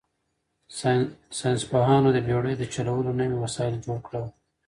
ساینس پوهانو د بېړیو د چلولو نوي وسایل جوړ کړل.